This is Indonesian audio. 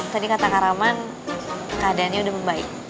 tadi kata kak raman keadaannya udah membaik